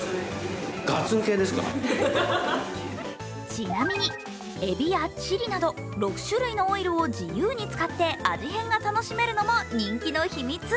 ちなみに、えびやチリなど６種類のオイルを自由に使って味変が楽しめるのも人気の秘密。